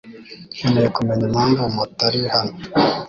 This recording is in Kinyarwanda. Nkeneye kumenya impamvu mutari hano .